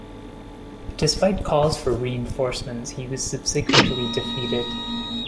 Despite calls for reinforcements he was subsequently defeated.